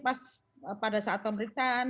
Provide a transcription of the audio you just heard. pas pada saat pemeriksaan